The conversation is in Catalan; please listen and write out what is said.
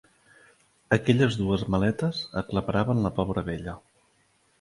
Aquelles dues maletes aclaparaven la pobra vella.